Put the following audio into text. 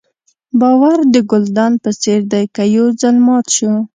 باور د ګلدان په څېر دی که یو ځل مات شو.